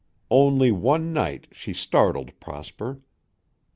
Only one night she startled Prosper.